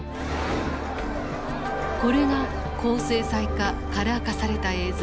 これが高精細化カラー化された映像。